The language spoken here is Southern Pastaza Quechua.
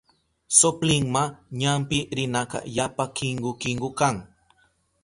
Soplinma ñampi rinaka yapa kinku kinku kan.